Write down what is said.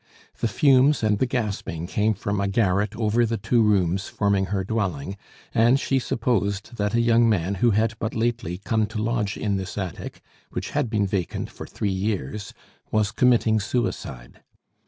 The fumes and the gasping came from a garret over the two rooms forming her dwelling, and she supposed that a young man who had but lately come to lodge in this attic which had been vacant for three years was committing suicide.